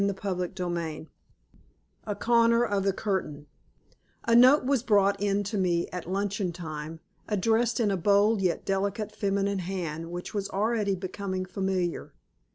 CHAPTER XIX A CORNER OF THE CURTAIN A note was brought in to me at luncheon time, addressed in a bold yet delicate feminine hand which was already becoming familiar.